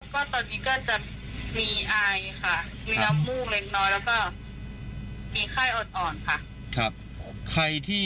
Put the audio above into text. พรุ่งตรวจเจอเชื้อเมื่อวันที่๒๓